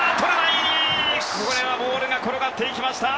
ボールが転がっていきました。